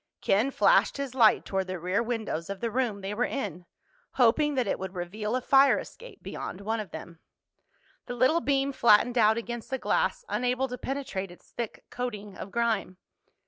Ken flashed his light toward the rear windows of the room they were in, hoping that it would reveal a fire escape beyond one of them. The little beam flattened out against the glass, unable to penetrate its thick coating of grime.